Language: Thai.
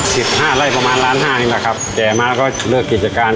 สิบห้าไร่ประมาณล้านห้านี่แหละครับแต่มาก็เลิกกิจการ